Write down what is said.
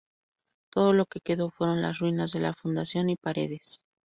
Todo lo que quedó fueron las ruinas de la fundación y paredes.